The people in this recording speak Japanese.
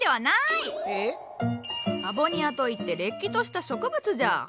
アボニアといってれっきとした植物じゃ。